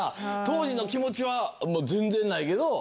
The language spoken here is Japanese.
当時の気持ちはもう全然ないけど。